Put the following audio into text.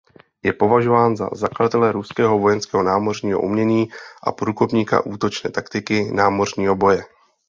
Je považován za zakladatele ruského vojenského námořního umění a průkopníka útočné taktiky námořního boje.